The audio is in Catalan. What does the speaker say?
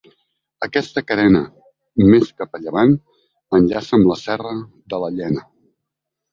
Aquesta carena més cap a llevant enllaça amb la Serra de la Llena.